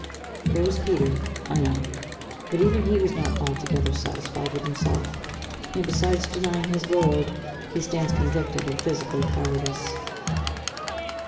There was Peter, I know; but even he was not altogether satisfied with himself, and, besides denying his Lord, he stands convicted of physical cowardice.